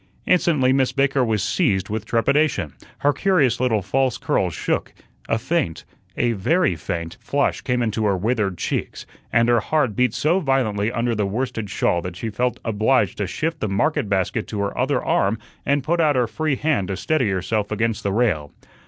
Instantly Miss Baker was seized with trepidation, her curious little false curls shook, a faint a very faint flush came into her withered cheeks, and her heart beat so violently under the worsted shawl that she felt obliged to shift the market basket to her other arm and put out her free hand to steady herself against the rail.